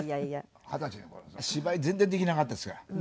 二十歳の頃芝居全然できなかったですから。